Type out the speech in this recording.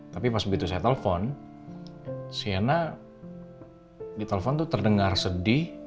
tapi pas begitu saya telepon sienna di telepon tuh terdengar sedih